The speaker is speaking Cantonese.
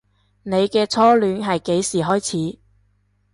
你嘅初戀係幾時開始